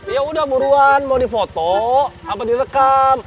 yaudah buruan mau di foto apa direkam